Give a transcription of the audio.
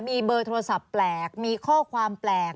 มีเบอร์โทรศัพท์แปลกมีข้อความแปลก